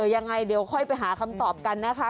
ยังไงเดี๋ยวค่อยไปหาคำตอบกันนะคะ